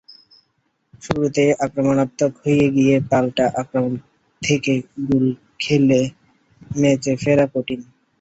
শুরুতেই আক্রমণাত্মক হতে গিয়ে পাল্টা-আক্রমণ থেকে গোল খেলে ম্যাচে ফেরা কঠিন।